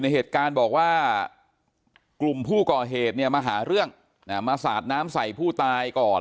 เหตุการณ์บอกว่ากลุ่มผู้ก่อเหตุเนี่ยมาหาเรื่องมาสาดน้ำใส่ผู้ตายก่อน